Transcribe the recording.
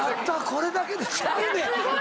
これだけで」ちゃうねん。